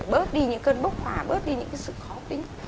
bớt đi những cơn bốc hòa bớt đi những cái sự khó tính